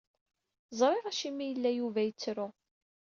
Ẓriɣ acimi i yella Yuba yettru.